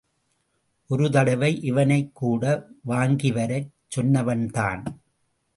ஒருதடவை இவனைக்கூட வாங்கிவரச் சொன்னவன்தான்.